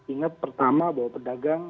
ingat pertama bahwa pedagang